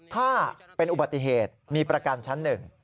ถ้าเป็นอุบัติเหตุมีประกันชั้นหนึ่ง